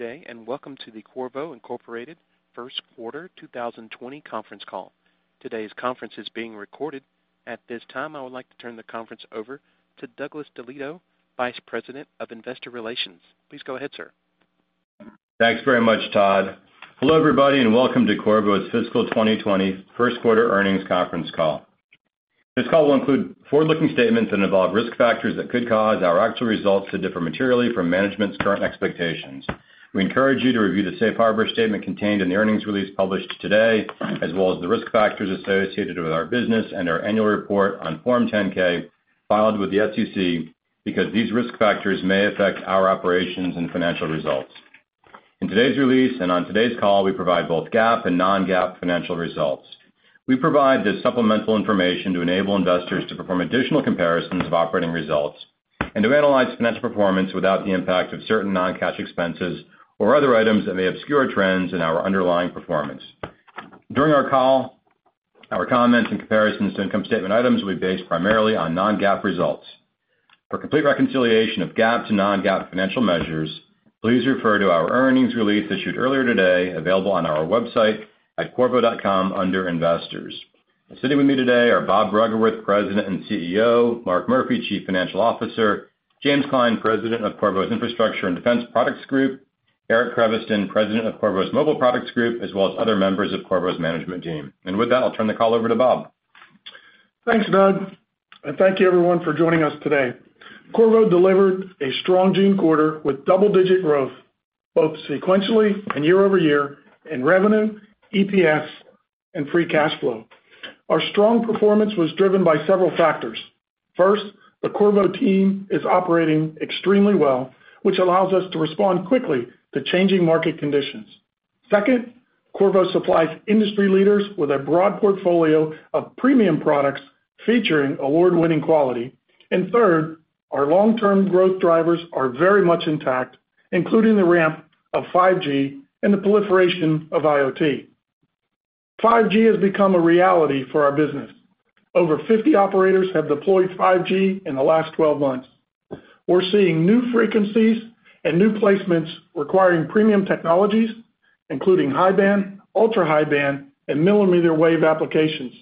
Day, and welcome to the Qorvo, Inc. First Quarter 2020 conference call. Today's conference is being recorded. At this time, I would like to turn the conference over to Douglas DeLieto, Vice President of Investor Relations. Please go ahead, sir. Thanks very much, Todd. Hello, everybody, welcome to Qorvo's fiscal 2020 first quarter earnings conference call. This call will include forward-looking statements that involve risk factors that could cause our actual results to differ materially from management's current expectations. We encourage you to review the safe harbor statement contained in the earnings release published today, as well as the risk factors associated with our business and our annual report on Form 10-K filed with the SEC, because these risk factors may affect our operations and financial results. In today's release on today's call, we provide both GAAP and non-GAAP financial results. We provide this supplemental information to enable investors to perform additional comparisons of operating results and to analyze financial performance without the impact of certain non-cash expenses or other items that may obscure trends in our underlying performance. During our call, our comments and comparisons to income statement items will be based primarily on non-GAAP results. For complete reconciliation of GAAP to non-GAAP financial measures, please refer to our earnings release issued earlier today, available on our website at qorvo.com under Investors. Sitting with me today are Bob Bruggeworth, President and CEO, Mark Murphy, Chief Financial Officer, James Klein, President of Qorvo's Infrastructure and Defense Products Group, Eric Creviston, President of Qorvo's Mobile Products Group, as well as other members of Qorvo's management team. With that, I'll turn the call over to Bob. Thanks, Doug. Thank you, everyone, for joining us today. Qorvo delivered a strong June quarter with double-digit growth, both sequentially and year-over-year in revenue, EPS, and free cash flow. Our strong performance was driven by several factors. First, the Qorvo team is operating extremely well, which allows us to respond quickly to changing market conditions. Second, Qorvo supplies industry leaders with a broad portfolio of premium products featuring award-winning quality. Third, our long-term growth drivers are very much intact, including the ramp of 5G and the proliferation of IoT. 5G has become a reality for our business. Over 50 operators have deployed 5G in the last 12 months. We're seeing new frequencies and new placements requiring premium technologies, including high-band, ultra-high band, and millimeter wave applications.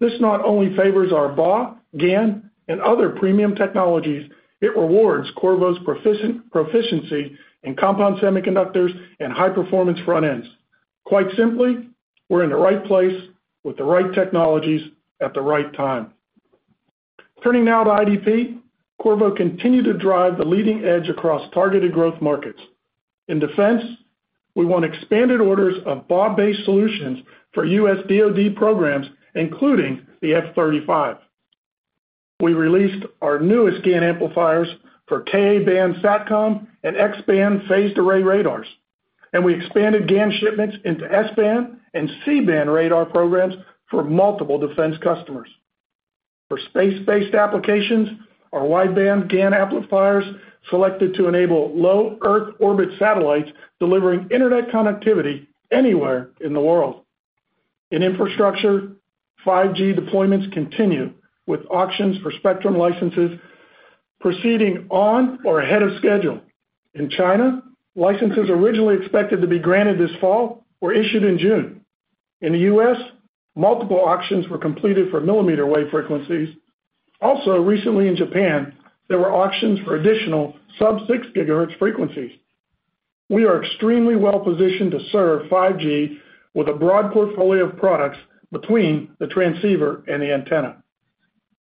This not only favors our BAW, GaN, and other premium technologies, it rewards Qorvo's proficiency in compound semiconductors and high-performance front ends. Quite simply, we're in the right place with the right technologies at the right time. Turning now to IDP, Qorvo continued to drive the leading edge across targeted growth markets. In defense, we won expanded orders of BAW-based solutions for U.S. DOD programs, including the F-35. We released our newest GaN amplifiers for Ka-band SatCom and X-band phased array radars. We expanded GaN shipments into S-band and C-band radar programs for multiple defense customers. For space-based applications, our wideband GaN amplifiers selected to enable low Earth orbit satellites delivering internet connectivity anywhere in the world. In infrastructure, 5G deployments continue, with auctions for spectrum licenses proceeding on or ahead of schedule. In China, licenses originally expected to be granted this fall were issued in June. In the U.S., multiple auctions were completed for millimeter wave frequencies. Also recently in Japan, there were auctions for additional Sub-6 GHz frequencies. We are extremely well-positioned to serve 5G with a broad portfolio of products between the transceiver and the antenna.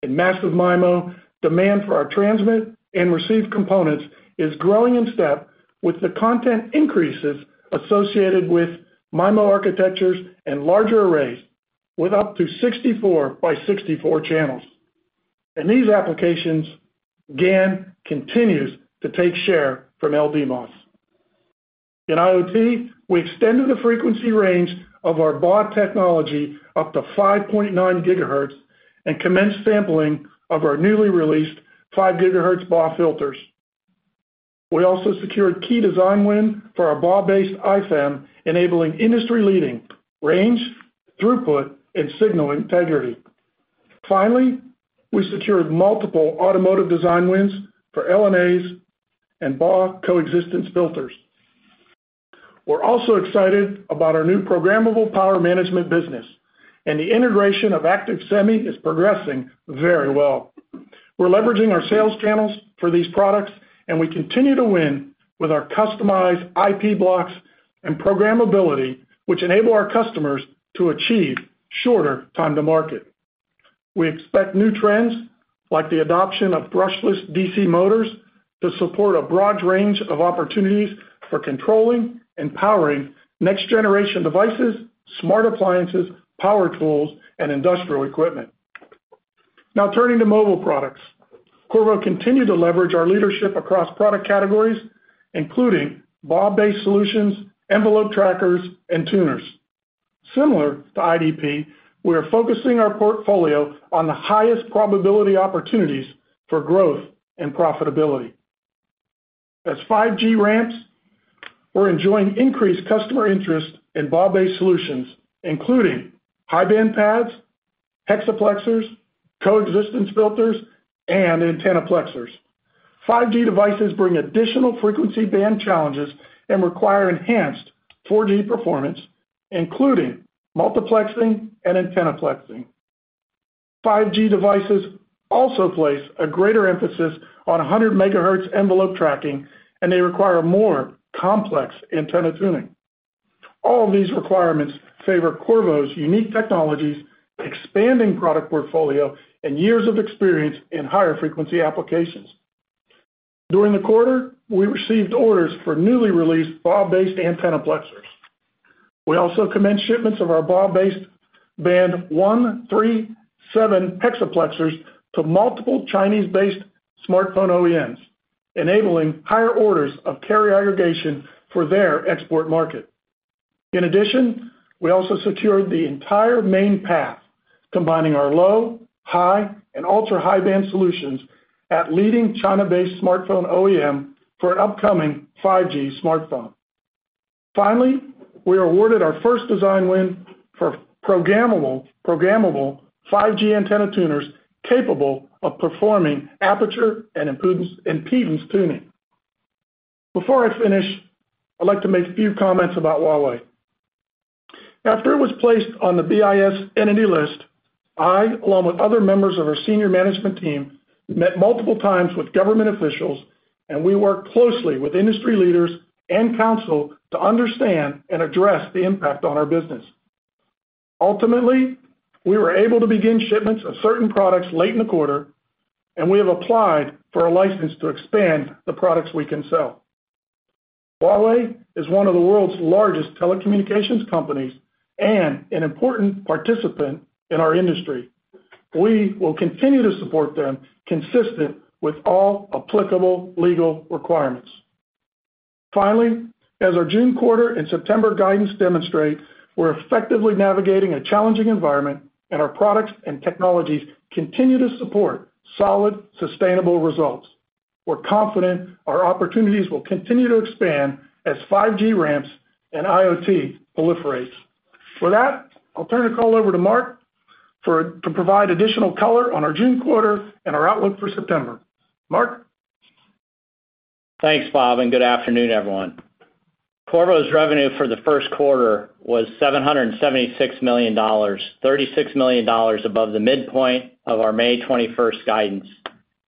In massive MIMO, demand for our transmit and receive components is growing in step with the content increases associated with MIMO architectures and larger arrays, with up to 64 by 64 channels. In these applications, GaN continues to take share from LDMOS. In IoT, we extended the frequency range of our BAW technology up to 5.9 GHz and commenced sampling of our newly released 5 GHz BAW filters. We also secured key design win for our BAW-based iFEM, enabling industry-leading range, throughput, and signal integrity. Finally, we secured multiple automotive design wins for LNAs and BAW coexistence filters. We're also excited about our new programmable power management business, and the integration of Active-Semi is progressing very well. We're leveraging our sales channels for these products, and we continue to win with our customized IP blocks and programmability, which enable our customers to achieve shorter time to market. We expect new trends, like the adoption of brushless DC motors, to support a broad range of opportunities for controlling and powering next-generation devices, smart appliances, power tools, and industrial equipment. Now turning to Mobile Products. Qorvo continued to leverage our leadership across product categories, including BAW-based solutions, envelope trackers, and tuners. Similar to IDP, we are focusing our portfolio on the highest probability opportunities for growth and profitability. As 5G ramps, we're enjoying increased customer interest in BAW-based solutions, including high-band paths-Hexaplexers, coexistence filters, and antenna plexers. 5G devices bring additional frequency band challenges and require enhanced 4G performance, including multiplexing and antenna plexing. 5G devices also place a greater emphasis on 100 MHz envelope tracking, and they require more complex antenna tuning. All these requirements favor Qorvo's unique technologies, expanding product portfolio, and years of experience in higher frequency applications. During the quarter, we received orders for newly released BAW-based antenna plexers. We also commenced shipments of our BAW-based band 137 hexaplexers to multiple Chinese-based smartphone OEMs, enabling higher orders of carrier aggregation for their export market. We also secured the entire main path, combining our low, high, and ultra-high-band solutions at leading China-based smartphone OEM for an upcoming 5G smartphone. Finally, we are awarded our first design win for programmable 5G antenna tuners capable of performing aperture and impedance tuning. Before I finish, I'd like to make a few comments about Huawei. After it was placed on the BIS entity list, I, along with other members of our senior management team, met multiple times with government officials. We worked closely with industry leaders and counsel to understand and address the impact on our business. Ultimately, we were able to begin shipments of certain products late in the quarter. We have applied for a license to expand the products we can sell. Huawei is one of the world's largest telecommunications companies and an important participant in our industry. We will continue to support them, consistent with all applicable legal requirements. Finally, as our June quarter and September guidance demonstrate, we're effectively navigating a challenging environment. Our products and technologies continue to support solid, sustainable results. We're confident our opportunities will continue to expand as 5G ramps and IoT proliferates. With that, I'll turn the call over to Mark to provide additional color on our June quarter and our outlook for September. Mark? Thanks, Bob, and good afternoon, everyone. Qorvo's revenue for the first quarter was $776 million, $36 million above the midpoint of our May 21st guidance,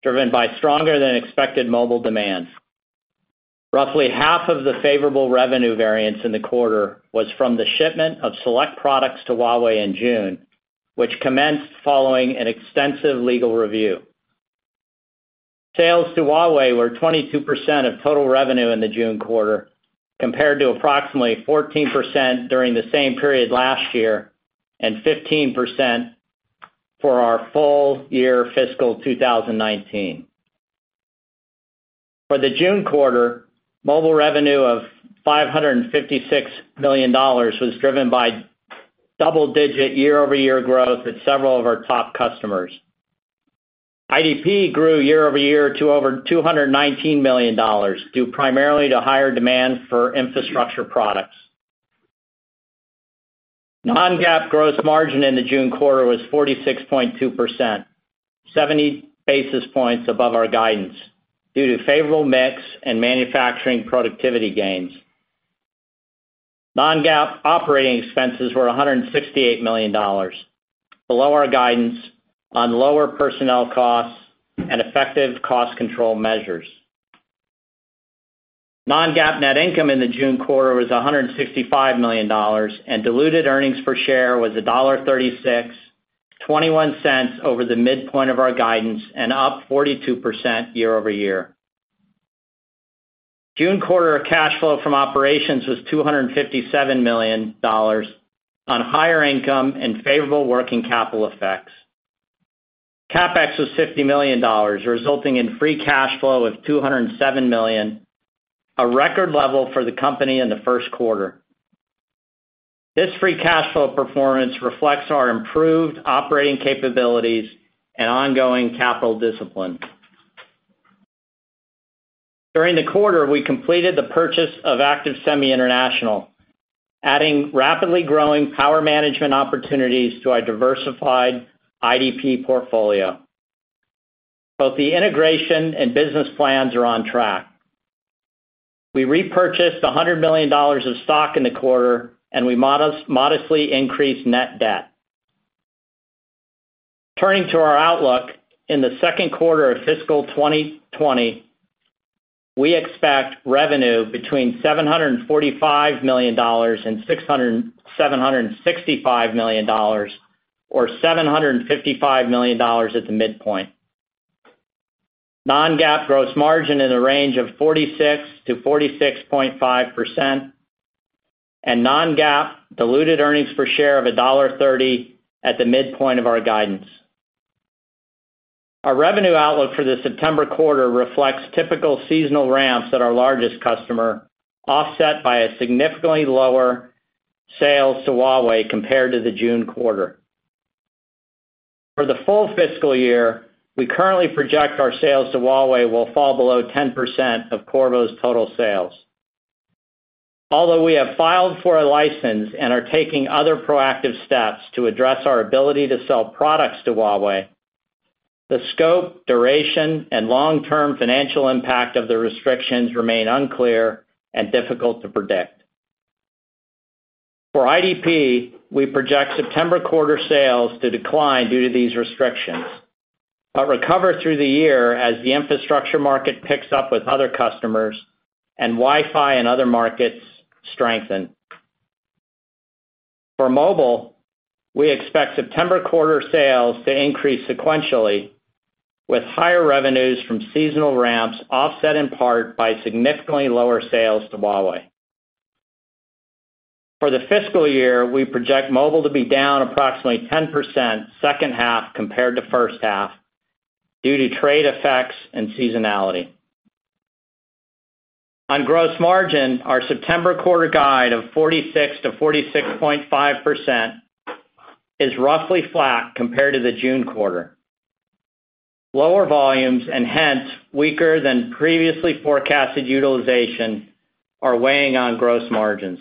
driven by stronger than expected mobile demand. Roughly half of the favorable revenue variance in the quarter was from the shipment of select products to Huawei in June, which commenced following an extensive legal review. Sales to Huawei were 22% of total revenue in the June quarter, compared to approximately 14% during the same period last year and 15% for our full year fiscal 2019. For the June quarter, mobile revenue of $556 million was driven by double-digit year-over-year growth at several of our top customers. IDP grew year-over-year to over $219 million due primarily to higher demand for infrastructure products. Non-GAAP gross margin in the June quarter was 46.2%, 70 basis points above our guidance due to favorable mix and manufacturing productivity gains. Non-GAAP operating expenses were $168 million, below our guidance on lower personnel costs and effective cost control measures. Non-GAAP net income in the June quarter was $165 million, and diluted earnings per share was $1.36, $0.21 over the midpoint of our guidance and up 42% year-over-year. June quarter cash flow from operations was $257 million on higher income and favorable working capital effects. CapEx was $50 million, resulting in free cash flow of $207 million, a record level for the company in the first quarter. This free cash flow performance reflects our improved operating capabilities and ongoing capital discipline. During the quarter, we completed the purchase of Active-Semi International, adding rapidly growing power management opportunities to our diversified IDP portfolio. Both the integration and business plans are on track. We repurchased $100 million of stock in the quarter, and we modestly increased net debt. Turning to our outlook, in the second quarter of fiscal 2020, we expect revenue between $745 million and $765 million, or $755 million at the midpoint. non-GAAP gross margin in the range of 46%-46.5%, and non-GAAP diluted earnings per share of $1.30 at the midpoint of our guidance. Our revenue outlook for the September quarter reflects typical seasonal ramps at our largest customer, offset by a significantly lower sales to Huawei compared to the June quarter. For the full fiscal year, we currently project our sales to Huawei will fall below 10% of Qorvo's total sales. Although we have filed for a license and are taking other proactive steps to address our ability to sell products to Huawei, the scope, duration, and long-term financial impact of the restrictions remain unclear and difficult to predict. For IDP, we project September quarter sales to decline due to these restrictions, but recover through the year as the infrastructure market picks up with other customers and Wi-Fi and other markets strengthen. For Mobile, we expect September quarter sales to increase sequentially with higher revenues from seasonal ramps offset in part by significantly lower sales to Huawei. For the fiscal year, we project Mobile to be down approximately 10% second half compared to first half due to trade effects and seasonality. On gross margin, our September quarter guide of 46%-46.5% is roughly flat compared to the June quarter. Lower volumes, and hence weaker than previously forecasted utilization, are weighing on gross margins.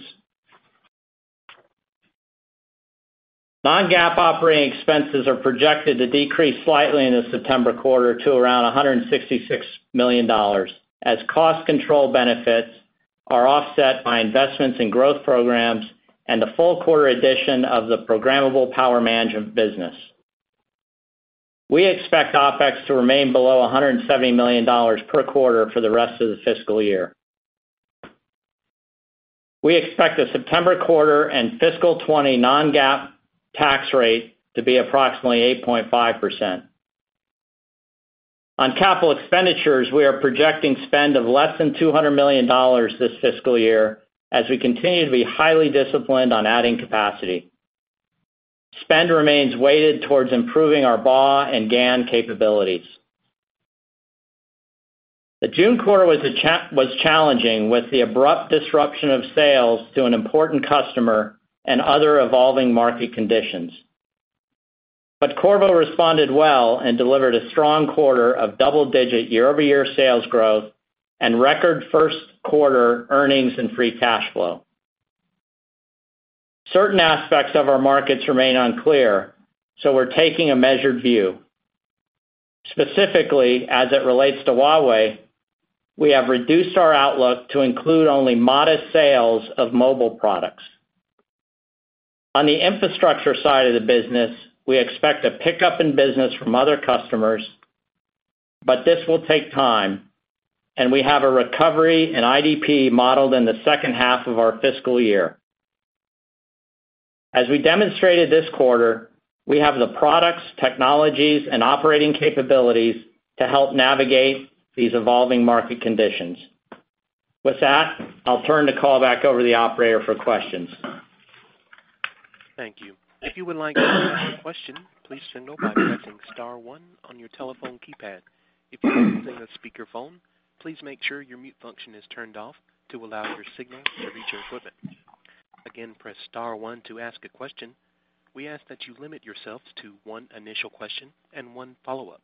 Non-GAAP operating expenses are projected to decrease slightly in the September quarter to around $166 million as cost control benefits are offset by investments in growth programs and the full quarter addition of the programmable power management business. We expect OpEx to remain below $170 million per quarter for the rest of the fiscal year. We expect the September quarter and fiscal 2020 non-GAAP tax rate to be approximately 8.5%. On capital expenditures, we are projecting spend of less than $200 million this fiscal year as we continue to be highly disciplined on adding capacity. Spend remains weighted towards improving our BAW and GaN capabilities. The June quarter was challenging with the abrupt disruption of sales to an important customer and other evolving market conditions. Qorvo responded well and delivered a strong quarter of double-digit year-over-year sales growth and record first quarter earnings and free cash flow. Certain aspects of our markets remain unclear. We're taking a measured view. Specifically, as it relates to Huawei, we have reduced our outlook to include only modest sales of Mobile Products. On the infrastructure side of the business, we expect a pickup in business from other customers, but this will take time, and we have a recovery in IDP modeled in the second half of our fiscal year. As we demonstrated this quarter, we have the products, technologies, and operating capabilities to help navigate these evolving market conditions. With that, I'll turn the call back over to the operator for questions. Thank you. If you would like to ask a question, please signal by pressing *1 on your telephone keypad. If you are using a speakerphone, please make sure your mute function is turned off to allow your signal to reach our equipment. Again, press *1 to ask a question. We ask that you limit yourselves to one initial question and one follow-up.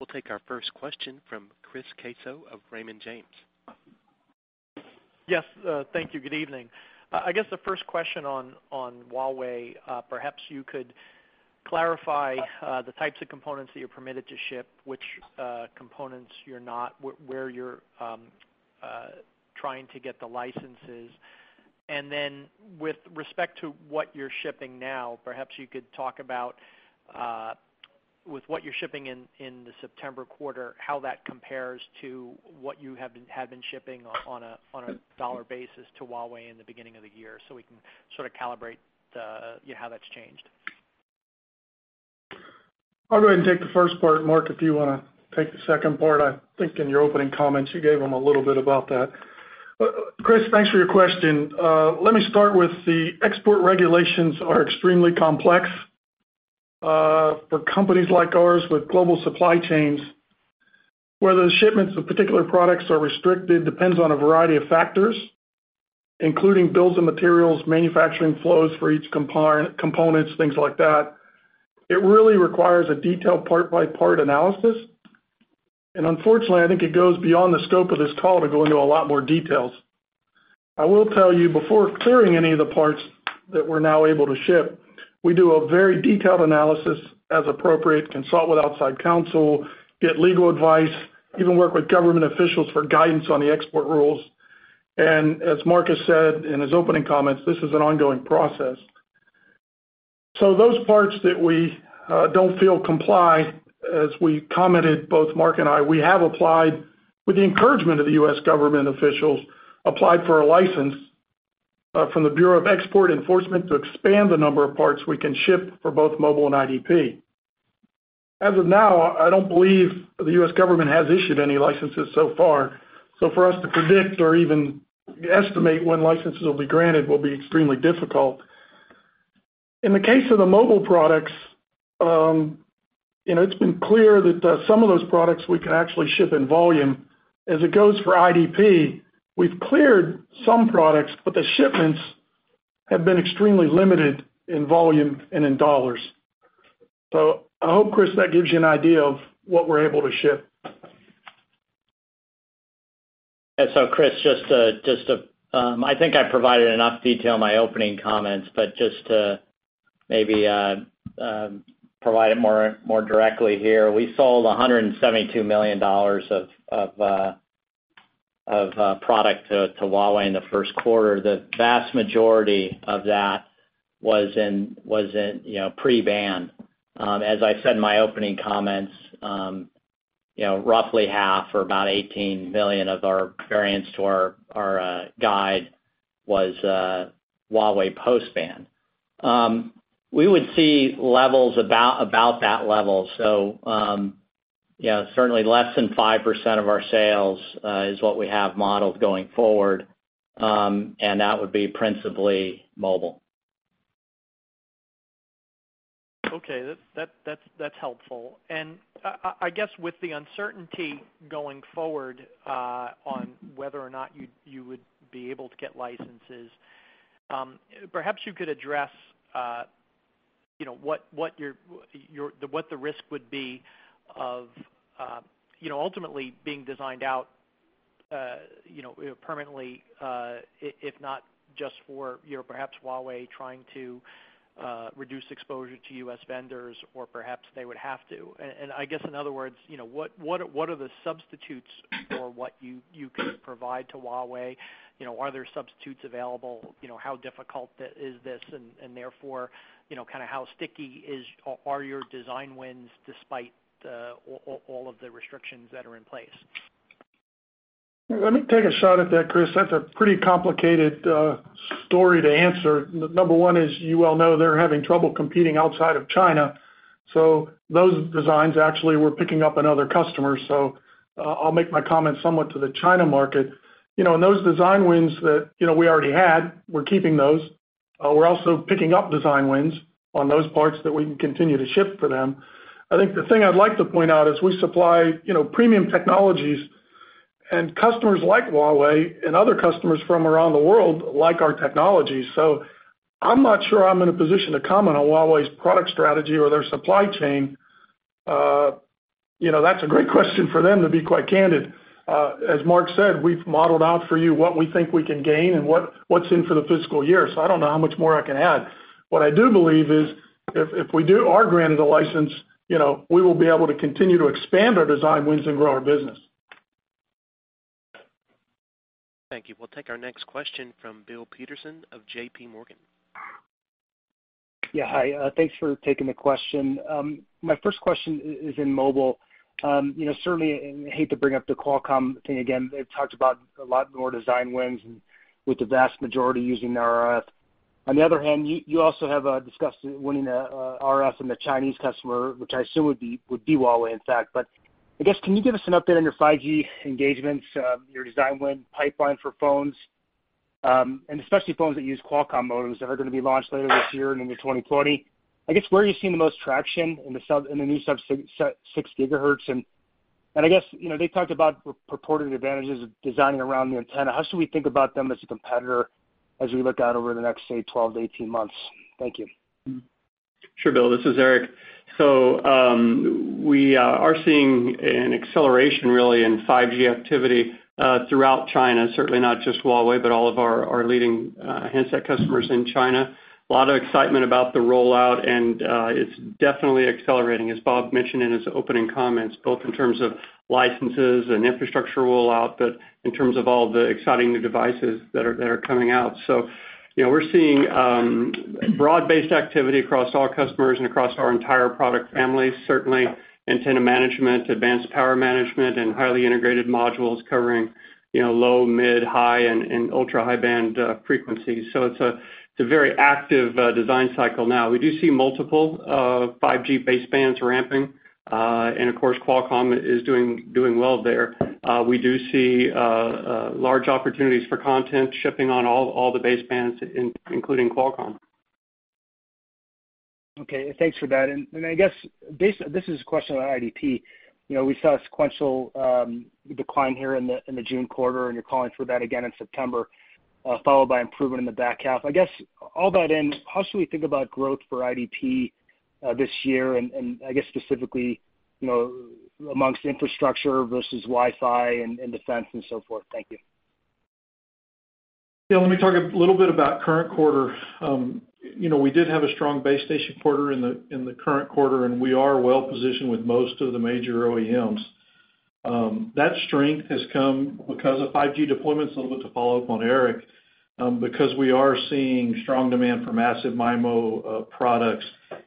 We will take our first question from Chris Caso of Raymond James. Yes, thank you. Good evening. I guess the first question on Huawei, perhaps you could clarify the types of components that you're permitted to ship, which components you're not, where you're trying to get the licenses. With respect to what you're shipping now, perhaps you could talk about with what you're shipping in the September quarter, how that compares to what you have been shipping on a dollar basis to Huawei in the beginning of the year, so we can sort of calibrate how that's changed. I'll go ahead and take the first part. Mark, if you want to take the second part. I think in your opening comments, you gave them a little bit about that. Chris, thanks for your question. Let me start with the export regulations are extremely complex. For companies like ours with global supply chains, whether the shipments of particular products are restricted depends on a variety of factors, including builds and materials, manufacturing flows for each component, things like that. It really requires a detailed part-by-part analysis. Unfortunately, I think it goes beyond the scope of this call to go into a lot more details. I will tell you, before clearing any of the parts that we're now able to ship, we do a very detailed analysis as appropriate, consult with outside counsel, get legal advice, even work with government officials for guidance on the export rules. As Mark has said in his opening comments, this is an ongoing process. Those parts that we don't feel comply, as we commented, both Mark and I, we have applied, with the encouragement of the U.S. government officials, applied for a license from the Office of Export Enforcement to expand the number of parts we can ship for both mobile and IDP. As of now, I don't believe the U.S. government has issued any licenses so far. For us to predict or even estimate when licenses will be granted will be extremely difficult. In the case of the Mobile Products, it's been clear that some of those products we can actually ship in volume. As it goes for IDP, we've cleared some products, but the shipments have been extremely limited in volume and in dollars. I hope, Chris, that gives you an idea of what we're able to ship. Chris, I think I provided enough detail in my opening comments, but just to maybe provide it more directly here. We sold $172 million of product to Huawei in the first quarter. The vast majority of that was in pre-ban. As I said in my opening comments, roughly half or about $18 million of our variance to our guide was Huawei post-ban. We would see levels about that level. Certainly less than 5% of our sales is what we have modeled going forward, and that would be principally mobile. Okay. That's helpful. I guess with the uncertainty going forward on whether or not you would be able to get licenses, perhaps you could address what the risk would be of ultimately being designed out permanently, if not just for perhaps Huawei trying to reduce exposure to U.S. vendors or perhaps they would have to. I guess in other words, what are the substitutes for what you could provide to Huawei? Are there substitutes available? How difficult is this? Therefore, how sticky are your design wins despite all of the restrictions that are in place? Let me take a shot at that, Chris. That's a pretty complicated story to answer. Number one is, you well know they're having trouble competing outside of China. Those designs actually were picking up another customer, so I'll make my comments somewhat to the China market. Those design wins that we already had, we're keeping those. We're also picking up design wins on those parts that we can continue to ship for them. I think the thing I'd like to point out is we supply premium technologies and customers like Huawei and other customers from around the world like our technology. I'm not sure I'm in a position to comment on Huawei's product strategy or their supply chain. That's a great question for them to be quite candid. As Mark said, we've modeled out for you what we think we can gain and what's in for the fiscal year. I don't know how much more I can add. What I do believe is if we are granted a license, we will be able to continue to expand our design wins and grow our business. Thank you. We'll take our next question from Bill Peterson of JPMorgan. Yeah. Hi, thanks for taking the question. My first question is in Mobile. Certainly, I hate to bring up the Qualcomm thing again. They've talked about a lot more design wins and with the vast majority using the RF. On the other hand, you also have discussed winning a RF and the Chinese customer, which I assume would be Huawei in fact. Can you give us an update on your 5G engagements, your design win pipeline for phones, and especially phones that use Qualcomm modems that are going to be launched later this year and into 2020? Where are you seeing the most traction in the new Sub-6 GHz? They talked about purported advantages of designing around the antenna. How should we think about them as a competitor as we look out over the next, say, 12 to 18 months? Thank you. Sure, Bill. This is Eric. We are seeing an acceleration really in 5G activity throughout China. Certainly not just Huawei, but all of our leading handset customers in China. A lot of excitement about the rollout, and it's definitely accelerating, as Bob mentioned in his opening comments, both in terms of licenses and infrastructure rollout, but in terms of all the exciting new devices that are coming out. We're seeing broad-based activity across all customers and across our entire product family. Certainly antenna management, advanced power management, and highly integrated modules covering low, mid, high, and ultra-high band frequencies. It's a very active design cycle now. We do see multiple 5G basebands ramping. Of course, Qualcomm is doing well there. We do see large opportunities for content shipping on all the basebands, including Qualcomm. Okay, thanks for that. I guess this is a question about IDP. We saw a sequential decline here in the June quarter, and you're calling for that again in September, followed by improvement in the back half. I guess all that in, how should we think about growth for IDP this year and I guess specifically amongst infrastructure versus Wi-Fi and defense and so forth? Thank you. Yeah, let me talk a little bit about current quarter. We did have a strong base station quarter in the current quarter, and we are well positioned with most of the major OEMs. That strength has come because of 5G deployments, a little bit to follow up on Eric, because we are seeing strong demand for massive MIMO products,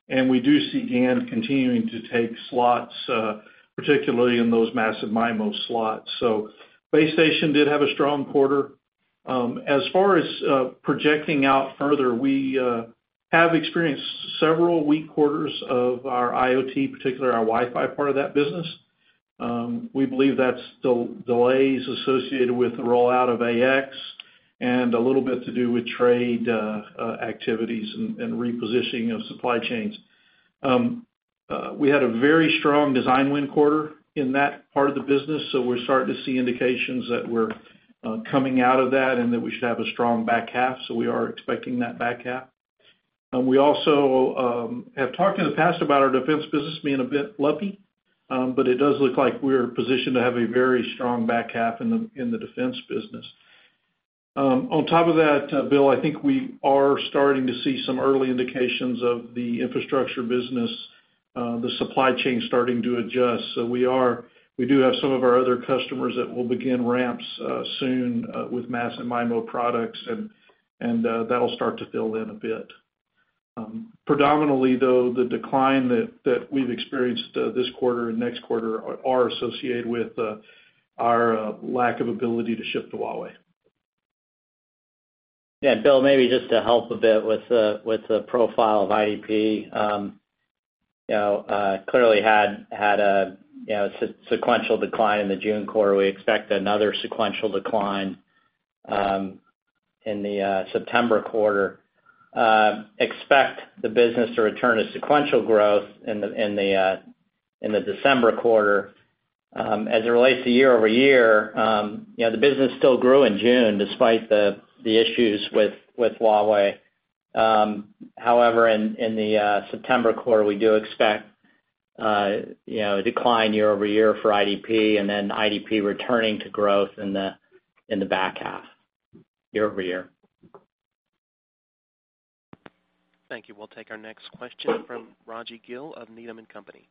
and we do see GaN continuing to take slots, particularly in those massive MIMO slots. Base station did have a strong quarter. As far as projecting out further, we have experienced several weak quarters of our IoT, particularly our Wi-Fi part of that business. We believe that's delays associated with the rollout of 802.11ax and a little bit to do with trade activities and repositioning of supply chains. We had a very strong design win quarter in that part of the business, so we're starting to see indications that we're coming out of that and that we should have a strong back half, so we are expecting that back half. We also have talked in the past about our defense business being a bit lumpy, but it does look like we're positioned to have a very strong back half in the defense business. On top of that, Bill, I think we are starting to see some early indications of the infrastructure business, the supply chain starting to adjust. We do have some of our other customers that will begin ramps soon with massive MIMO products, and that'll start to fill in a bit. Predominantly, though, the decline that we've experienced this quarter and next quarter are associated with our lack of ability to ship to Huawei. Bill, maybe just to help a bit with the profile of IDP. Clearly had a sequential decline in the June quarter. We expect another sequential decline in the September quarter. Expect the business to return to sequential growth in the December quarter. It relates to year-over-year, the business still grew in June despite the issues with Huawei. In the September quarter, we do expect a decline year-over-year for IDP and then IDP returning to growth in the back half year-over-year. Thank you. We'll take our next question from Rajvindra Gill of Needham & Company.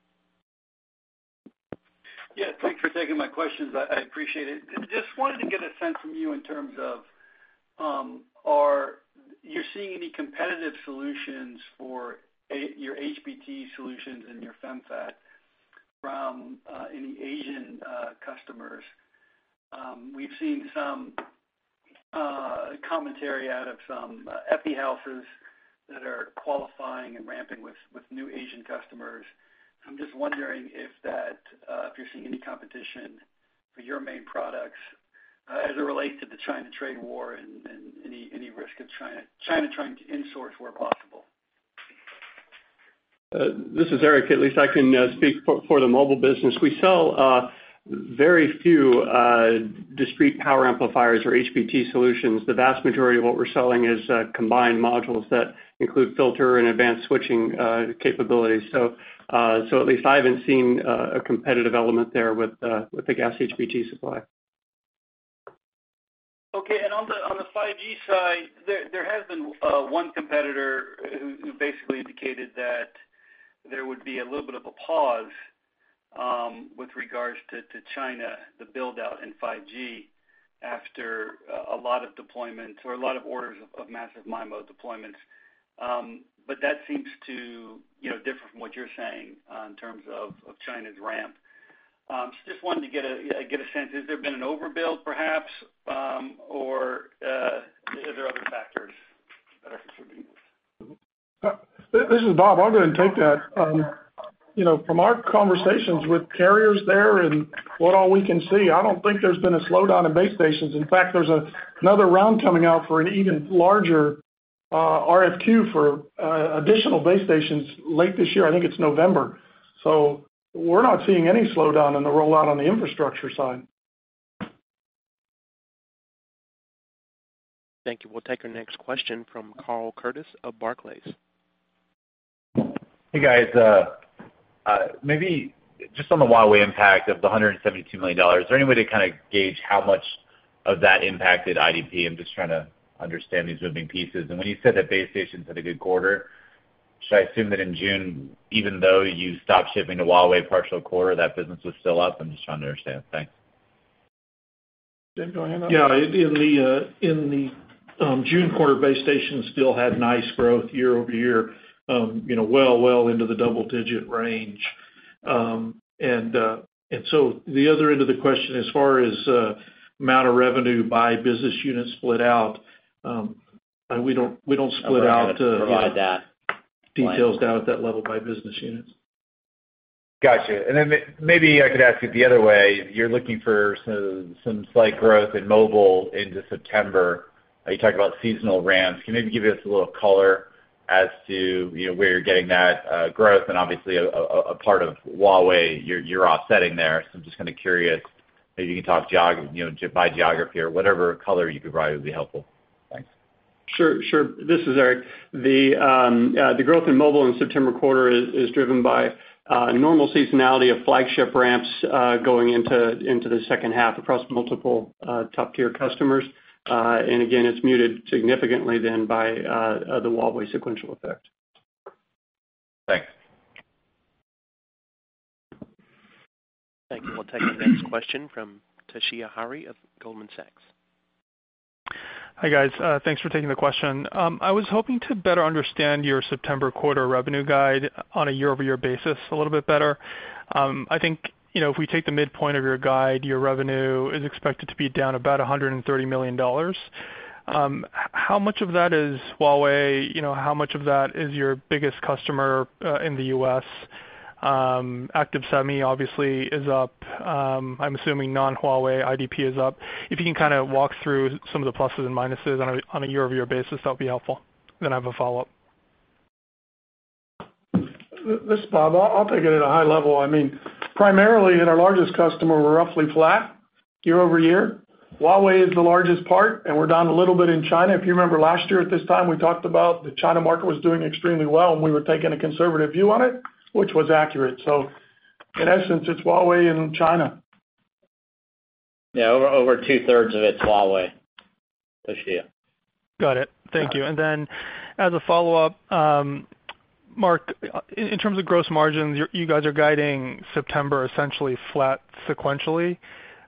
Yeah, thanks for taking my questions. I appreciate it. Just wanted to get a sense from you in terms of, are you seeing any competitive solutions for your HBT solutions and your FeMFET from any Asian customers? We've seen some commentary out of some epi houses that are qualifying and ramping with new Asian customers. I'm just wondering if you're seeing any competition for your main products as it relates to the China trade war and any risk of China trying to insource where possible. This is Eric. At least I can speak for the mobile business. We sell very few discrete power amplifiers or HBT solutions. The vast majority of what we're selling is combined modules that include filter and advanced switching capabilities. At least I haven't seen a competitive element there with the GaAs HBT supply. On the 5G side, there has been one competitor who basically indicated that there would be a little bit of a pause with regards to China, the build-out in 5G after a lot of deployment or a lot of orders of massive MIMO deployments. That seems to differ from what you're saying in terms of China's ramp. Just wanted to get a sense, has there been an overbuild perhaps, or are there other factors that are contributing? This is Bob. I'll go ahead and take that. From our conversations with carriers there and what all we can see, I don't think there's been a slowdown in base stations. In fact, there's another round coming out for an even larger RFQ for additional base stations late this year. I think it's November. We're not seeing any slowdown in the rollout on the infrastructure side. Thank you. We'll take our next question from Blayne Curtis of Barclays. Hey, guys. Maybe just on the Huawei impact of the $172 million, is there any way to kind of gauge how much of that impacted IDP? I'm just trying to understand these moving pieces. When you said that base stations had a good quarter, should I assume that in June, even though you stopped shipping to Huawei partial quarter, that business was still up? I'm just trying to understand. Thanks. Jim, do you want to handle that? Yeah. In the June quarter, base stations still had nice growth year-over-year, well into the double-digit range. The other end of the question, as far as amount of revenue by business unit split out, we don't split out. We're not going to provide that. details down at that level by business units. Got you. Maybe I could ask it the other way. You're looking for some slight growth in Mobile into September. You talk about seasonal ramps. Can you maybe give us a little color as to where you're getting that growth and obviously a part of Huawei you're offsetting there. I'm just kind of curious, maybe you can talk by geography or whatever color you could provide would be helpful. Thanks. Sure. This is Eric. The growth in mobile in the September quarter is driven by normal seasonality of flagship ramps going into the second half across multiple top-tier customers. Again, it's muted significantly then by the Huawei sequential effect. Thanks. Thank you. We'll take the next question from Toshiya Hari of Goldman Sachs. Hi, guys. Thanks for taking the question. I was hoping to better understand your September quarter revenue guide on a year-over-year basis a little bit better. I think, if we take the midpoint of your guide, your revenue is expected to be down about $130 million. How much of that is Huawei? How much of that is your biggest customer in the U.S.? Active-Semi obviously is up. I'm assuming non-Huawei IDP is up. If you can kind of walk through some of the pluses and minuses on a year-over-year basis, that would be helpful. I have a follow-up. This is Bob. I'll take it at a high level. Primarily, in our largest customer, we're roughly flat year-over-year. Huawei is the largest part, and we're down a little bit in China. If you remember last year at this time, we talked about the China market was doing extremely well, and we were taking a conservative view on it, which was accurate. In essence, it's Huawei in China. Yeah. Over two-thirds of it's Huawei, Toshiya. Got it. Thank you. As a follow-up, Mark, in terms of gross margins, you guys are guiding September essentially flat sequentially,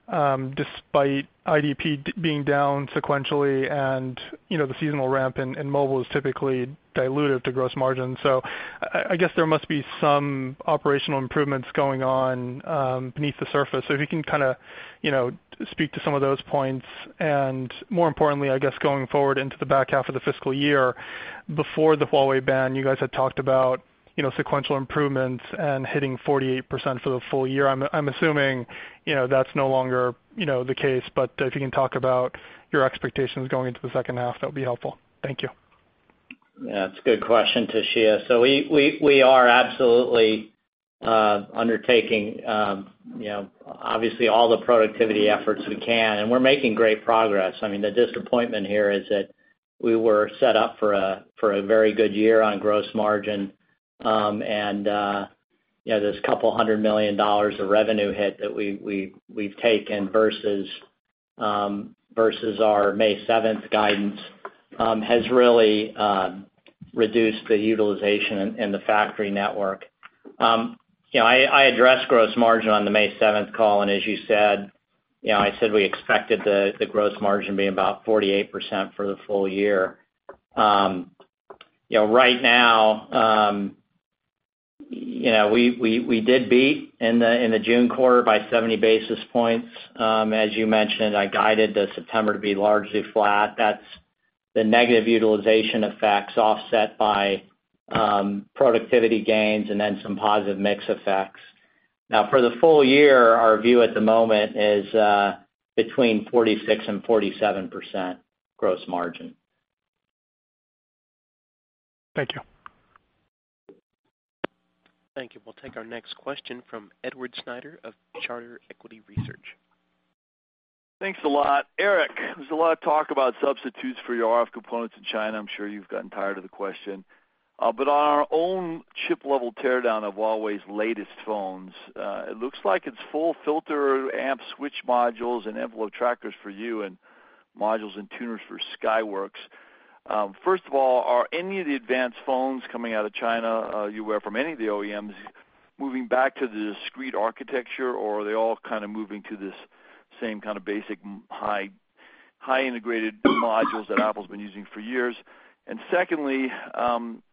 despite IDP being down sequentially and the seasonal ramp in Mobile is typically dilutive to gross margin. There must be some operational improvements going on beneath the surface. More importantly, I guess, going forward into the back half of the fiscal year, before the Huawei ban, you guys had talked about sequential improvements and hitting 48% for the full year. I'm assuming that's no longer the case. If you can talk about your expectations going into the second half, that would be helpful. Thank you. It's a good question, Toshiya. We are absolutely undertaking obviously all the productivity efforts we can, and we're making great progress. The disappointment here is that we were set up for a very good year on gross margin. There's a $200 million of revenue hit that we've taken versus our May 7th guidance, has really reduced the utilization in the factory network. I addressed gross margin on the May 7th call, and as you said, I said we expected the gross margin be about 48% for the full year. Right now, we did beat in the June quarter by 70 basis points. As you mentioned, I guided the September to be largely flat. That's the negative utilization effects offset by productivity gains and then some positive mix effects. Now, for the full year, our view at the moment is between 46% and 47% gross margin. Thank you. Thank you. We'll take our next question from Edward Snyder of Charter Equity Research. Thanks a lot. Eric, there's a lot of talk about substitutes for your RF components in China. I'm sure you've gotten tired of the question. On our own chip-level teardown of Huawei's latest phones, it looks like it's full filter amp switch modules and envelope trackers for you and modules and tuners for Skyworks. First of all, are any of the advanced phones coming out of China you hear from any of the OEMs moving back to the discrete architecture, or are they all kind of moving to this same kind of basic high integrated modules that Apple's been using for years? Secondly,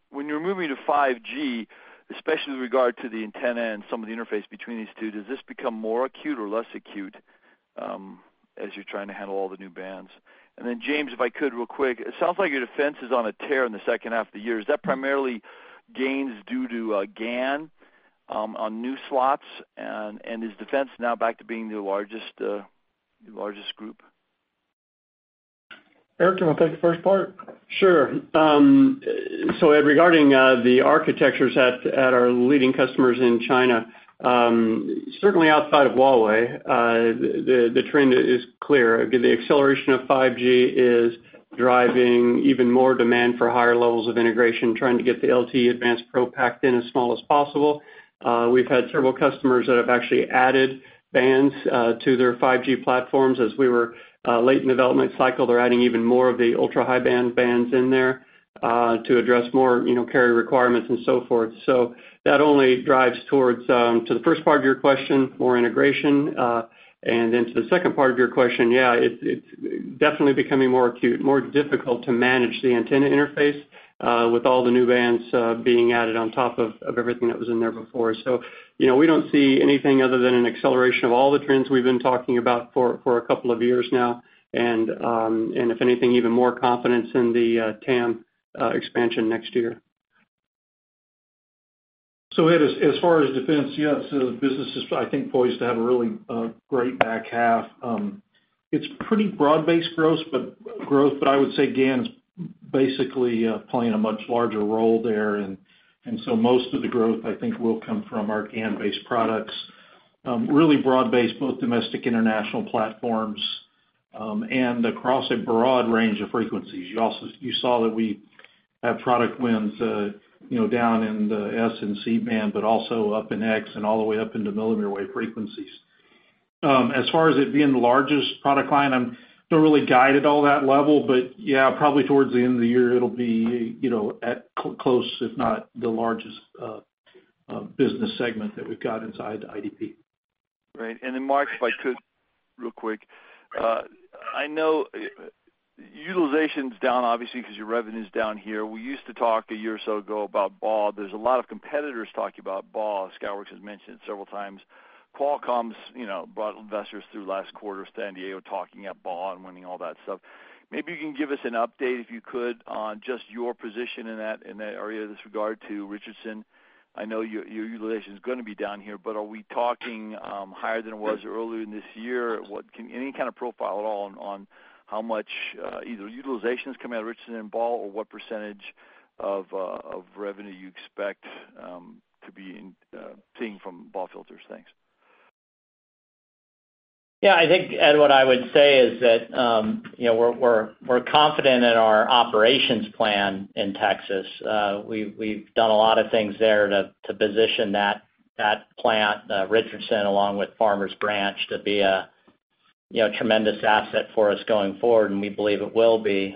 when you're moving to 5G, especially with regard to the antenna and some of the interface between these two, does this become more acute or less acute as you're trying to handle all the new bands? James, if I could real quick, it sounds like your Defense is on a tear in the second half of the year. Is that primarily gains due to GaN on new slots, and is Defense now back to being the largest group? Eric, do you want to take the first part? Sure. Regarding the architectures at our leading customers in China, certainly outside of Huawei, the trend is clear. The acceleration of 5G is driving even more demand for higher levels of integration, trying to get the LTE Advanced Pro packed in as small as possible. We've had several customers that have actually added bands to their 5G platforms as we were late in development cycle. They're adding even more of the ultra-high band bands in there to address more carrier requirements and so forth. That only drives towards, to the first part of your question, more integration. To the second part of your question, yeah, it's definitely becoming more acute, more difficult to manage the antenna interface with all the new bands being added on top of everything that was in there before. We don't see anything other than an acceleration of all the trends we've been talking about for a couple of years now, and, if anything, even more confidence in the TAM expansion next year. Ed, as far as defense, yes, the business is, I think, poised to have a really great back half. It's pretty broad-based growth, but I would say GaN's basically playing a much larger role there, most of the growth, I think, will come from our GaN-based products. Really broad-based, both domestic-international platforms, across a broad range of frequencies. You saw that we have product wins down in the S and C-band, also up in X and all the way up into millimeter wave frequencies. As far as it being the largest product line, I don't really guide at all that level, yeah, probably towards the end of the year, it'll be at close, if not the largest business segment that we've got inside IDP. Right. Mark, if I could real quick. I know utilization's down obviously because your revenue's down here. We used to talk a year or so ago about BAW. There's a lot of competitors talking about BAW. Skyworks has mentioned it several times. Qualcomm's brought investors through last quarter, San Diego talking up BAW and winning all that stuff. Maybe you can give us an update, if you could, on just your position in that area with regard to Richardson. I know your utilization's going to be down here, are we talking higher than it was earlier in this year? Any kind of profile at all on how much either utilization's coming out of Richardson and BAW or what % of revenue you expect to be seeing from BAW filters? Thanks. Yeah, I think, Ed, what I would say is that we're confident in our operations plan in Texas. We've done a lot of things there to position that plant, Richardson, along with Farmers Branch, to be a tremendous asset for us going forward, and we believe it will be.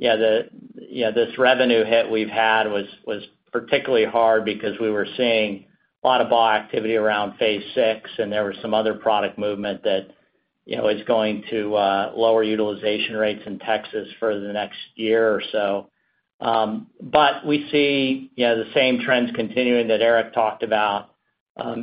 This revenue hit we've had was particularly hard because we were seeing a lot of BAW activity around phase 6, and there was some other product movement that is going to lower utilization rates in Texas for the next year or so. We see the same trends continuing that Eric talked about,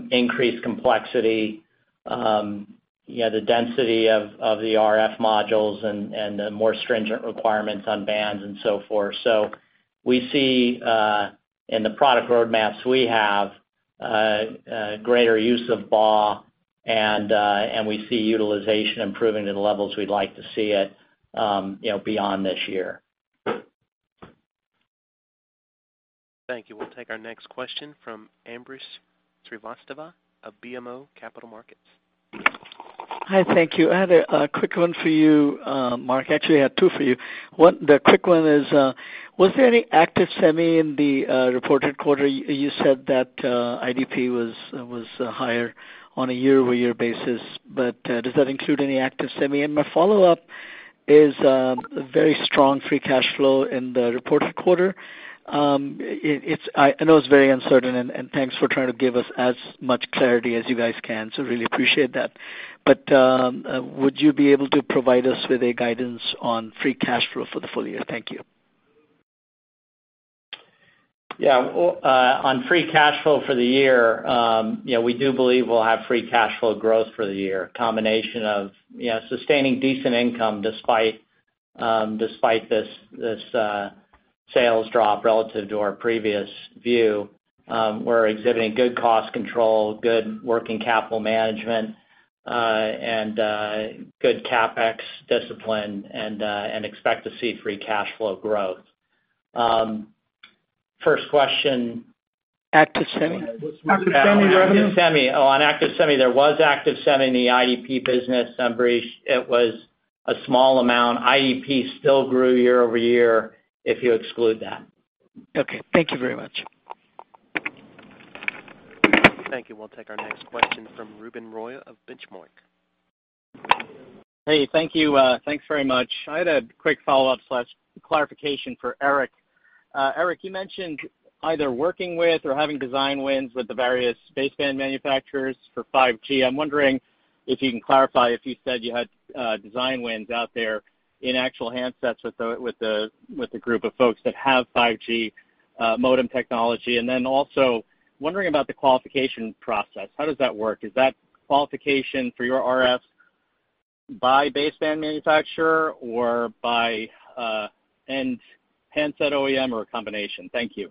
increased complexity, the density of the RF modules, and the more stringent requirements on bands and so forth. We see, in the product roadmaps we have, a greater use of BAW, and we see utilization improving to the levels we'd like to see it beyond this year. Thank you. We'll take our next question from Ambrish Srivastava of BMO Capital Markets. Hi, thank you. I had a quick one for you, Mark. Actually, I had two for you. One, the quick one is, was there any Active-Semi in the reported quarter? You said that IDP was higher on a year-over-year basis, does that include any Active-Semi? My follow-up is very strong free cash flow in the reported quarter. I know it's very uncertain, and thanks for trying to give us as much clarity as you guys can, so really appreciate that. Would you be able to provide us with a guidance on free cash flow for the full year? Thank you. Yeah. On free cash flow for the year, we do believe we'll have free cash flow growth for the year. A combination of sustaining decent income despite this sales drop relative to our previous view. We're exhibiting good cost control, good working capital management, and good CapEx discipline, and expect to see free cash flow growth. First question. Active-Semi. Active-Semi revenue. Active-Semi. Oh, on Active-Semi, there was Active-Semi in the IDP business, Ambrish. It was a small amount. IDP still grew year-over-year if you exclude that. Okay. Thank you very much. Thank you. We'll take our next question from Ruben Roy of Benchmark. Hey, thank you. Thanks very much. I had a quick follow-up/clarification for Eric. Eric, you mentioned either working with or having design wins with the various baseband manufacturers for 5G. I'm wondering if you can clarify if you said you had design wins out there in actual handsets with a group of folks that have 5G modem technology, and then also wondering about the qualification process. How does that work? Is that qualification for your RF by baseband manufacturer or by end handset OEM or a combination? Thank you.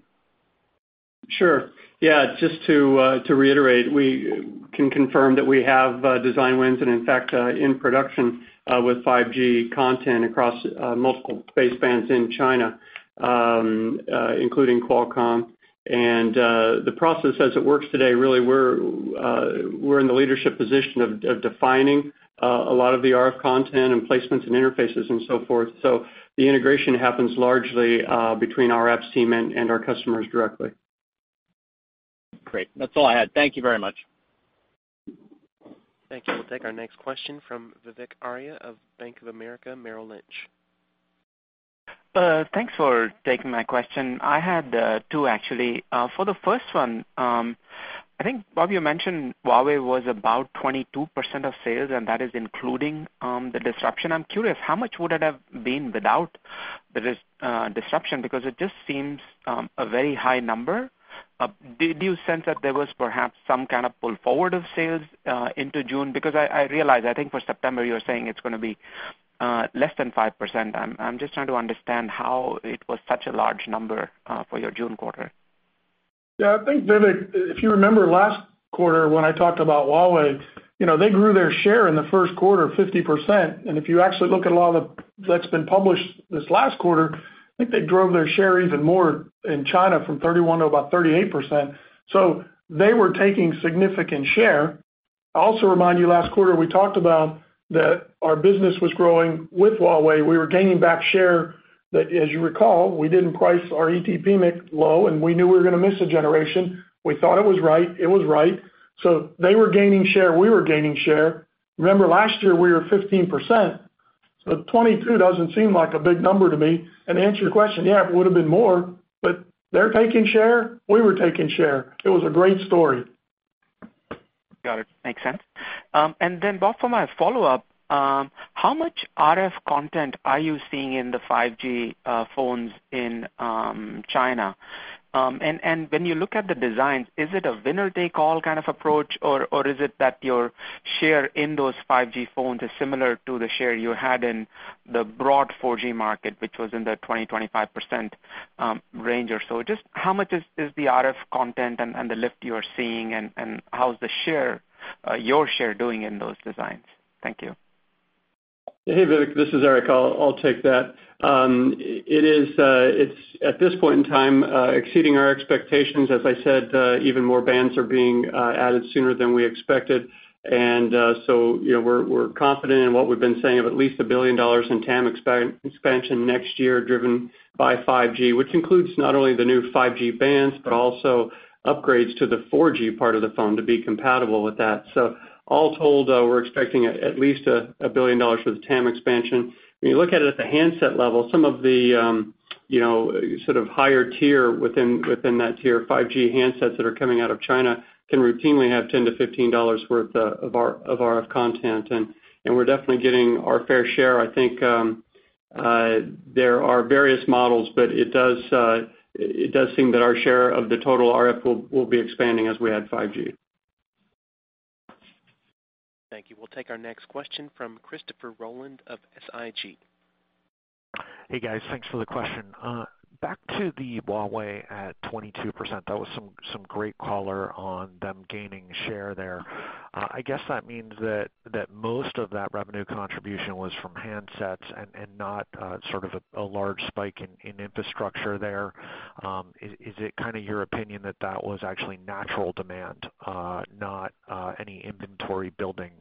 Sure. Yeah, just to reiterate, we can confirm that we have design wins and in fact, in production with 5G content across multiple basebands in China, including Qualcomm. The process as it works today, really, we're in the leadership position of defining a lot of the RF content and placements and interfaces and so forth. The integration happens largely between our reps team and our customers directly. Great. That's all I had. Thank you very much. Thank you. We'll take our next question from Vivek Arya of Bank of America Merrill Lynch. Thanks for taking my question. I had two, actually. For the first one, I think, Bob, you mentioned Huawei was about 22% of sales, and that is including the disruption. I'm curious, how much would it have been without the disruption? It just seems a very high number. Do you sense that there was perhaps some kind of pull forward of sales into June? I realize, I think for September you're saying it's going to be less than 5%. I'm just trying to understand how it was such a large number for your June quarter. Yeah, I think, Vivek, if you remember last quarter when I talked about Huawei, they grew their share in the first quarter 50%. If you actually look at a lot of that's been published this last quarter, I think they drove their share even more in China from 31% to about 38%. They were taking significant share. I'll also remind you last quarter, we talked about that our business was growing with Huawei. We were gaining back share that, as you recall, we didn't price our ET PMIC low, and we knew we were going to miss a generation. We thought it was right. It was right. They were gaining share. We were gaining share. Remember, last year we were 15%, so 22 doesn't seem like a big number to me. To answer your question, yeah, it would've been more, but they're taking share. We were taking share. It was a great story. Got it. Makes sense. Bob, for my follow-up, how much RF content are you seeing in the 5G phones in China? When you look at the designs, is it a winner-take-all kind of approach, or is it that your share in those 5G phones is similar to the share you had in the broad 4G market, which was in the 20%-25% range or so? Just how much is the RF content and the lift you are seeing, and how's your share doing in those designs? Thank you. Hey, Vivek, this is Eric. I'll take that. It's, at this point in time, exceeding our expectations. As I said, even more bands are being added sooner than we expected. So we're confident in what we've been saying of at least a $1 billion in TAM expansion next year, driven by 5G, which includes not only the new 5G bands, but also upgrades to the 4G part of the phone to be compatible with that. All told, we're expecting at least a $1 billion for the TAM expansion. When you look at it at the handset level, some of the sort of higher tier within that tier 5G handsets that are coming out of China can routinely have $10-$15 worth of RF content. We're definitely getting our fair share. I think there are various models, but it does seem that our share of the total RF will be expanding as we add 5G. Thank you. We'll take our next question from Christopher Rolland of SIG. Hey, guys. Thanks for the question. Back to the Huawei at 22%, that was some great color on them gaining share there. I guess that means that most of that revenue contribution was from handsets and not sort of a large spike in infrastructure there. Is it kind of your opinion that that was actually natural demand, not any inventory building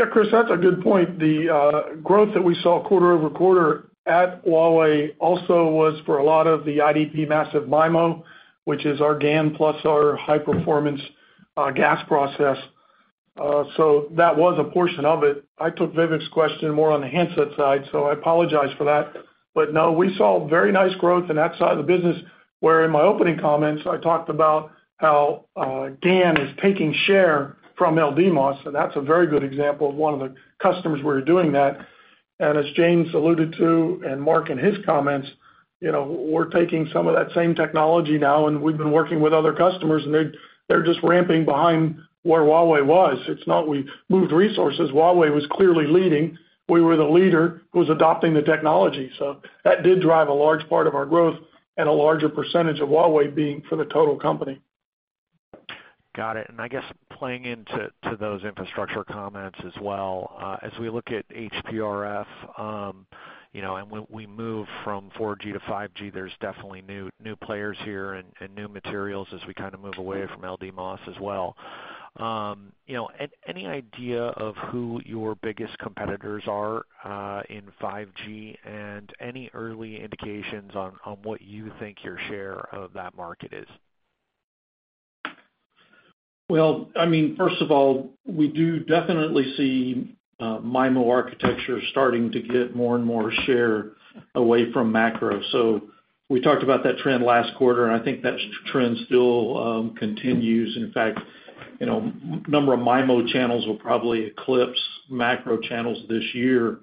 on their part? Yeah, Chris, that's a good point. The growth that we saw quarter-over-quarter at Huawei also was for a lot of the IDP massive MIMO, which is our GaN plus our high-performance GaAs process. That was a portion of it. I took Vivek's question more on the handset side. I apologize for that. No, we saw very nice growth in that side of the business, where in my opening comments, I talked about how GaN is taking share from LDMOS, and that's a very good example of one of the customers where we're doing that. As James alluded to, and Mark in his comments, we're taking some of that same technology now, and we've been working with other customers, and they're just ramping behind where Huawei was. It's not we moved resources. Huawei was clearly leading. We were the leader who's adopting the technology. That did drive a large part of our growth and a larger percentage of Huawei being for the total company. Got it. I guess playing into those infrastructure comments as well, as we look at HPRF, and we move from 4G to 5G, there's definitely new players here and new materials as we kind of move away from LDMOS as well. Any idea of who your biggest competitors are in 5G and any early indications on what you think your share of that market is? First of all, we do definitely see MIMO architecture starting to get more and more share away from macro. We talked about that trend last quarter, and I think that trend still continues. In fact, number of MIMO channels will probably eclipse macro channels this year.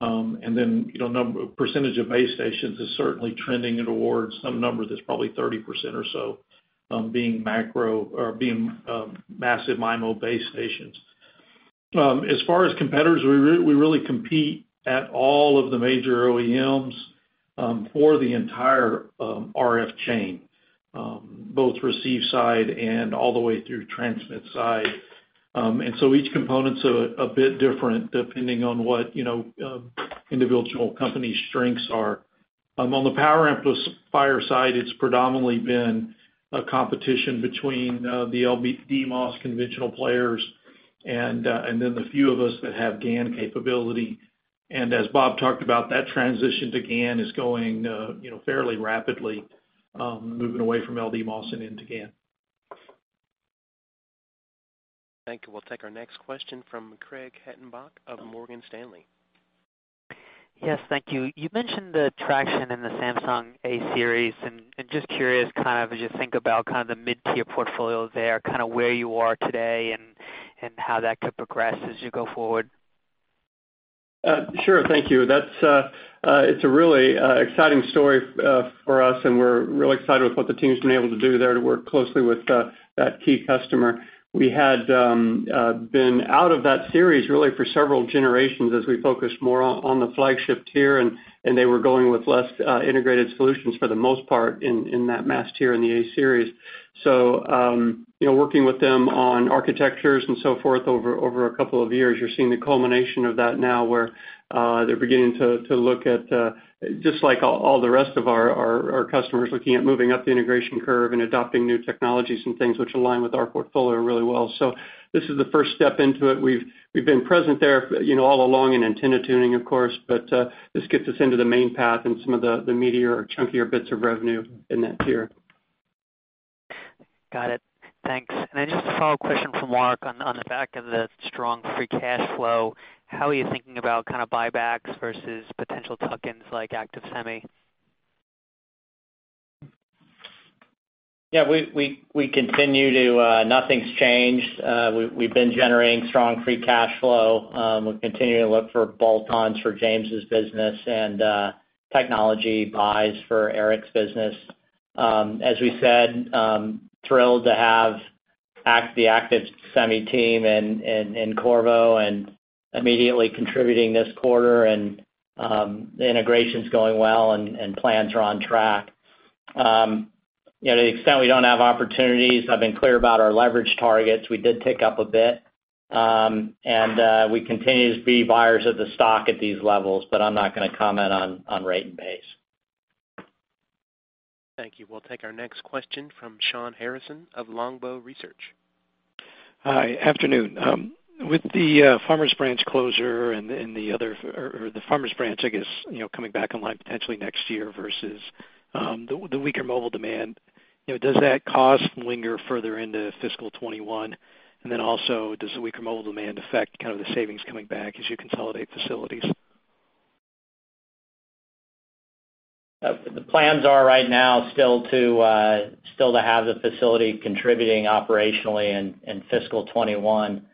Percentage of base stations is certainly trending towards some number that's probably 30% or so being massive MIMO base stations. As far as competitors, we really compete at all of the major OEMs for the entire RF chain, both receive side and all the way through transmit side. Each component's a bit different depending on what individual company's strengths are. On the power amplifier side, it's predominantly been a competition between the LDMOS conventional players and then the few of us that have GaN capability. As Bob talked about, that transition to GaN is going fairly rapidly, moving away from LDMOS and into GaN. Thank you. We'll take our next question from Craig Hettenbach of Morgan Stanley. Yes, thank you. You mentioned the traction in the Samsung A series, and just curious kind of as you think about kind of the mid-tier portfolio there, kind of where you are today and how that could progress as you go forward? Sure. Thank you. It's a really exciting story for us, and we're really excited with what the team's been able to do there to work closely with that key customer. We had been out of that series really for several generations as we focused more on the flagship tier, and they were going with less integrated solutions for the most part in that mass tier in the A series. Working with them on architectures and so forth over a couple of years, you're seeing the culmination of that now where they're beginning to look at, just like all the rest of our customers, looking at moving up the integration curve and adopting new technologies and things which align with our portfolio really well. This is the first step into it. We've been present there all along in antenna tuning, of course, but this gets us into the main path and some of the meatier or chunkier bits of revenue in that tier. Got it. Thanks. Just a follow-up question from Mark on the back of the strong free cash flow. How are you thinking about kind of buybacks versus potential tuck-ins like Active-Semi? Yeah, nothing's changed. We've been generating strong free cash flow. We'll continue to look for bolt-ons for James' business and technology buys for Eric's business. As we said, thrilled to have the Active-Semi team in Qorvo and immediately contributing this quarter, and the integration's going well, and plans are on track. To the extent we don't have opportunities, I've been clear about our leverage targets. We did tick up a bit, and we continue to be buyers of the stock at these levels, but I'm not going to comment on rate and base. Thank you. We'll take our next question from Shawn Harrison of Longbow Research. Hi. Afternoon. With the Farmers Branch closure or the Farmers Branch, I guess, coming back online potentially next year versus the weaker mobile demand, does that cost linger further into fiscal 2021? Also, does the weaker mobile demand affect kind of the savings coming back as you consolidate facilities? The plans are right now still to have the facility contributing operationally in fiscal 2021.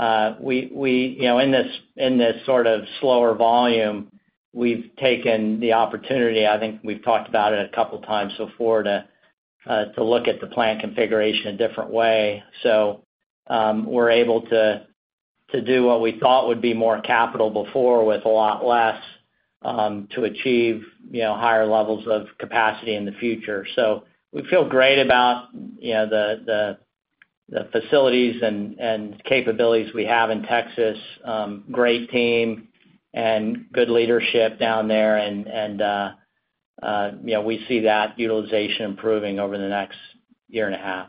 In this sort of slower volume, we've taken the opportunity, I think we've talked about it a couple of times before, to look at the plant configuration a different way. We're able to do what we thought would be more capital before with a lot less, to achieve higher levels of capacity in the future. We feel great about the facilities and capabilities we have in Texas. Great team and good leadership down there and we see that utilization improving over the next year and a half.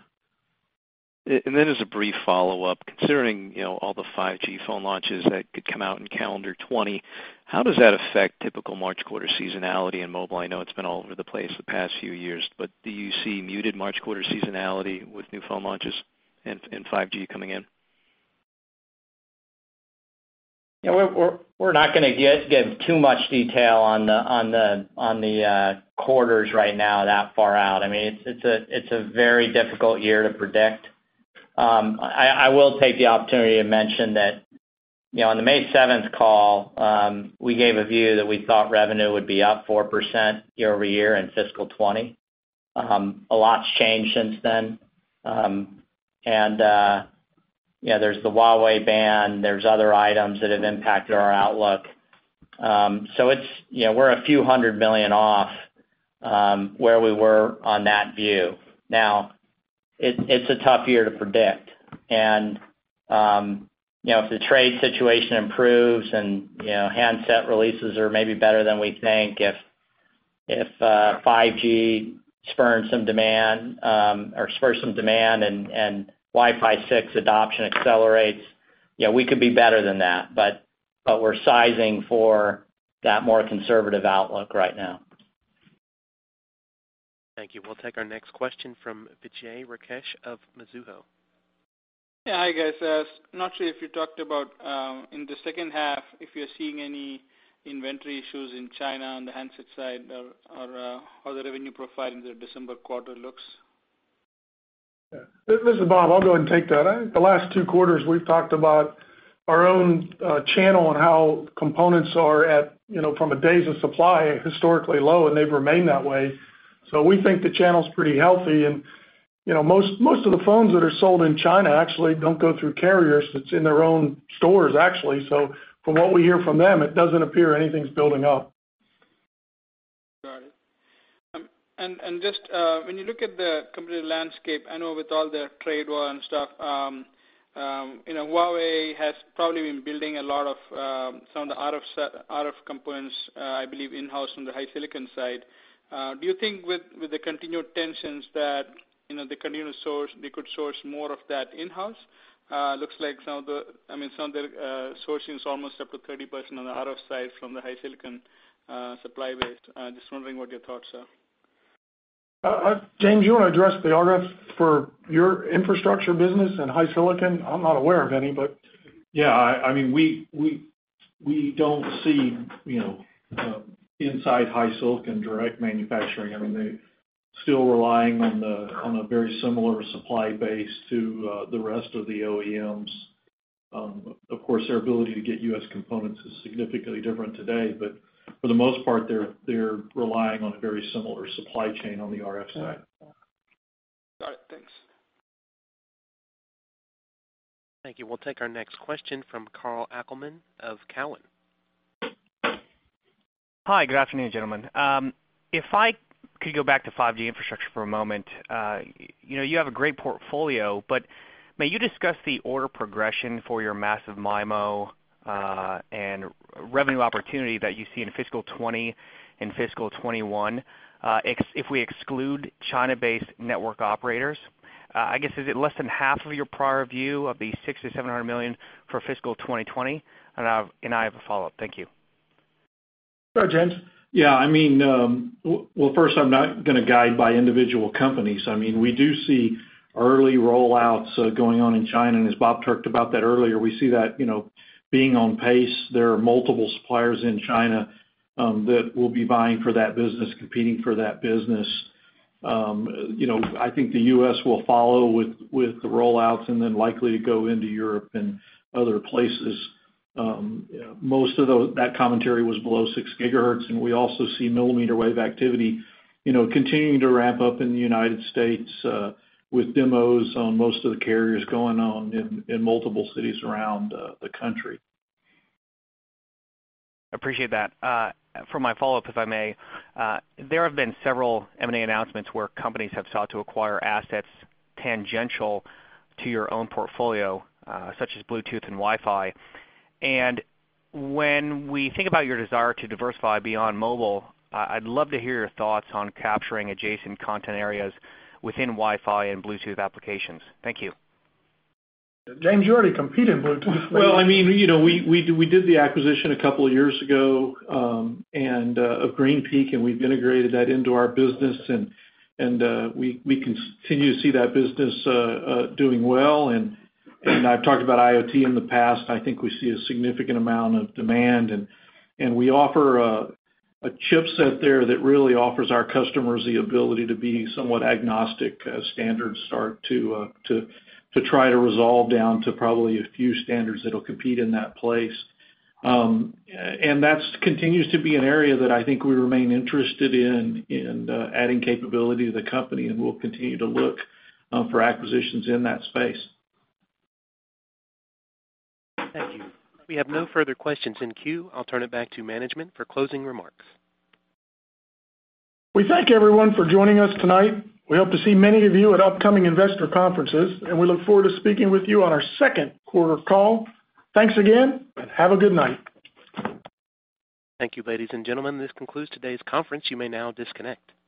As a brief follow-up, considering all the 5G phone launches that could come out in calendar 2020, how does that affect typical March quarter seasonality in mobile? I know it's been all over the place the past few years, do you see muted March quarter seasonality with new phone launches and 5G coming in? We're not going to give too much detail on the quarters right now that far out. It's a very difficult year to predict. I will take the opportunity to mention that on the May 7th call, we gave a view that we thought revenue would be up 4% year-over-year in fiscal 2020. A lot's changed since then. There's the Huawei ban, there's other items that have impacted our outlook. We're a $few hundred million off where we were on that view. It's a tough year to predict. If the trade situation improves and handset releases are maybe better than we think, if 5G spurs some demand and Wi-Fi 6 adoption accelerates, we could be better than that. We're sizing for that more conservative outlook right now. Thank you. We'll take our next question from Vijay Rakesh of Mizuho. Yeah. Hi, guys. Not sure if you talked about, in the second half, if you're seeing any inventory issues in China on the handset side or how the revenue profile in the December quarter looks? This is Bob. I'll go ahead and take that. I think the last two quarters we've talked about our own channel and how components are at, from a days of supply, historically low, and they've remained that way. We think the channel's pretty healthy, and most of the phones that are sold in China actually don't go through carriers. It's in their own stores, actually. From what we hear from them, it doesn't appear anything's building up. Got it. Just when you look at the complete landscape, I know with all the trade war and stuff, Huawei has probably been building some of the RF components, I believe, in-house from the HiSilicon side. Do you think with the continued tensions that they could source more of that in-house? Looks like some of their sourcing is almost up to 30% on the RF side from the HiSilicon supply base. Just wondering what your thoughts are. James, you want to address the RF for your infrastructure business and HiSilicon? I'm not aware of any. Yeah. We don't see inside HiSilicon direct manufacturing. They're still relying on a very similar supply base to the rest of the OEMs. Of course, their ability to get U.S. components is significantly different today, but for the most part, they're relying on a very similar supply chain on the RF side. Got it. Thanks. Thank you. We'll take our next question from Karl Ackerman of Cowen. Hi. Good afternoon, gentlemen. If I could go back to 5G infrastructure for a moment. May you discuss the order progression for your massive MIMO and revenue opportunity that you see in fiscal 2020 and fiscal 2021, if we exclude China-based network operators? I guess, is it less than half of your prior view of the $600 million-$700 million for fiscal 2020? I have a follow-up. Thank you. Sure, James. Yeah, well, first, I'm not going to guide by individual companies. We do see early roll-outs going on in China. As Bob talked about that earlier, we see that being on pace. There are multiple suppliers in China that will be vying for that business, competing for that business. I think the U.S. will follow with the roll-outs and then likely to go into Europe and other places. Most of that commentary was below six gigahertz. We also see millimeter wave activity continuing to ramp up in the United States with demos on most of the carriers going on in multiple cities around the country. Appreciate that. For my follow-up, if I may, there have been several M&A announcements where companies have sought to acquire assets tangential to your own portfolio, such as Bluetooth and Wi-Fi. When we think about your desire to diversify beyond mobile, I'd love to hear your thoughts on capturing adjacent content areas within Wi-Fi and Bluetooth applications. Thank you. James, you already compete in Bluetooth. We did the acquisition a couple of years ago, of GreenPeak Technologies. We've integrated that into our business. We continue to see that business doing well. I've talked about IoT in the past. I think we see a significant amount of demand, and we offer a chip set there that really offers our customers the ability to be somewhat agnostic as standards start to try to resolve down to probably a few standards that'll compete in that place. That continues to be an area that I think we remain interested in adding capability to the company, and we'll continue to look for acquisitions in that space. Thank you. We have no further questions in queue. I'll turn it back to management for closing remarks. We thank everyone for joining us tonight. We hope to see many of you at upcoming investor conferences, and we look forward to speaking with you on our second quarter call. Thanks again, and have a good night. Thank you, ladies and gentlemen. This concludes today's conference. You may now disconnect.